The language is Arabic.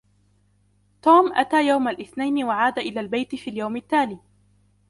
توم أتىَ يوم الإثنين وعاد إلىَ البيت في اليوم التالي.